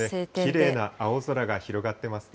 きれいな青空が広がってますね。